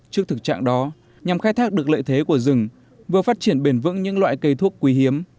trước thực trạng đó nhằm khai thác được lợi thế của rừng vừa phát triển bền vững những loại cây thuốc quý hiếm